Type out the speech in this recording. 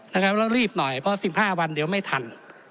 แล้วรีบหน่อยเพราะ๑๕วันเดี๋ยวไม่ทัน